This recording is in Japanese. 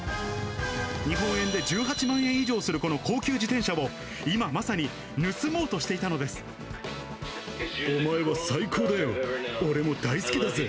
日本円で１８万円以上するこの高級自転車を、今、まさに盗もうとお前は最高だよ！